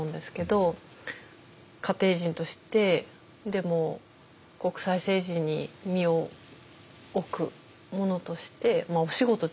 家庭人としてでも国際政治に身を置く者としてまあお仕事ですよね。